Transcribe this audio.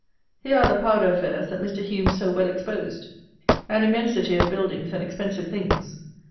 Here are the powder affairs that Mr. HUME so well exposed. An immensity of buildings and expensive things.